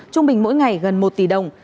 trung bình mỗi ngày gần một tỷ đồng